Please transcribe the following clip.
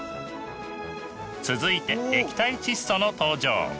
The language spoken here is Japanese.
続いて液体窒素の登場。